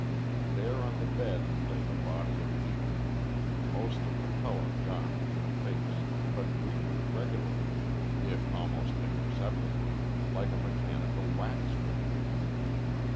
There on the bed lay the body of Heaton, most of the colour gone from the face, but breathing regularly, if almost imperceptibly, like a mechanical wax figure.